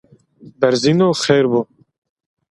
Berzino xeyr bo!